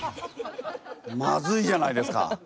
マズいじゃないですか。